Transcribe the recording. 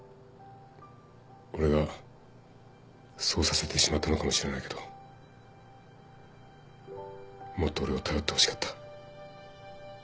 俺がそうさせてしまったのかもしれないけどもっと俺を頼ってほしかった。